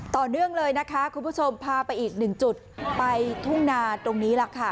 ต่อเนื่องเลยนะคะคุณผู้ชมพาไปอีกหนึ่งจุดไปทุ่งนาตรงนี้ล่ะค่ะ